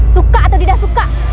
suka atau tidak suka